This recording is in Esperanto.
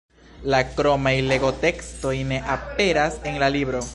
La kromaj legotekstoj ne aperas en la libro.